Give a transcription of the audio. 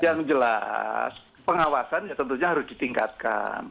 yang jelas pengawasannya tentunya harus ditingkatkan